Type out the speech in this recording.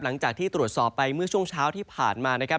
หลังจากที่ตรวจสอบไปเมื่อช่วงเช้าที่ผ่านมานะครับ